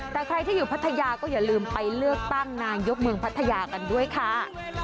แต่ใครที่อยู่พัทยาก็อย่าลืมไปเลือกตั้งนายกเมืองพัทยากันด้วยค่ะ